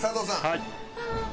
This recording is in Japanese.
はい。